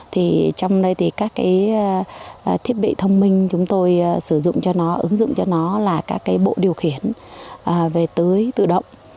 trong đây các thiết bị thông minh chúng tôi sử dụng cho nó ứng dụng cho nó là các bộ điều khiển về tưới tự động